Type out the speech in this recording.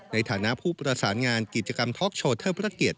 ในฐานะผู้ประสานงานกิจกรรมท็อกโชว์เทิดพระเกียรติ